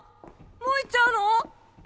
もう行っちゃうの？